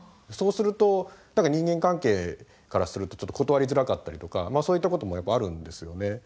そうすると人間関係からすると断りづらかったりとかそういったこともやっぱあるんですよね。